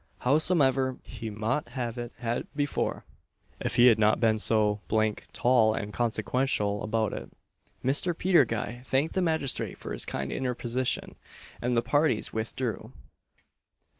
Howsomever, he mought have had it before, if he had not been so d d tall and consequential about it." Mr. Peter Guy thanked the magistrate for his kind interposition, and the parties withdrew.